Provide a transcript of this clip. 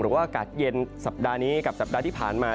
ว่าอากาศเย็นสัปดาห์นี้กับสัปดาห์ที่ผ่านมา